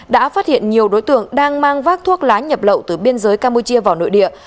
đã phát hiện nhiều đối tượng đang mang vác thuốc lá nhập lậu từ biên giới campuchia vào nội địa